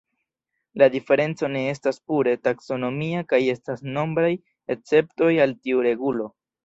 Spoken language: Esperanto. La diferenco ne estas pure taksonomia kaj estas nombraj esceptoj al tiu regulo.